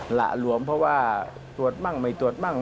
หละหลวมเพราะว่าตรวจมั่งไม่ตรวจมั่ง